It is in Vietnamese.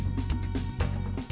như cây quên ra